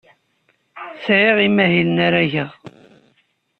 Sɛiɣ imahilen ara geɣ.